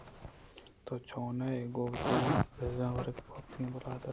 تو چونینے ئے گوں وتی کژُّ ورک ءُ پِیہتگیں بالاد ءَ